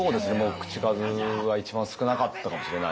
口数は一番少なかったかもしれないですね。